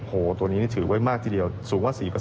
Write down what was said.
โอ้โหตัวนี้ถือไว้มากทีเดียวสูงกว่า๔